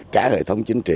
cả hệ thống chính quyền